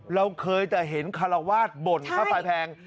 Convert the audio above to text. เราเคยแต่เห็นคารวาสบ่นค่าไฟแพง